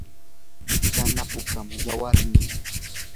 yana pukam yawarnii.